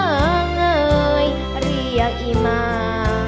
เอ่อเงยเรียกอิมา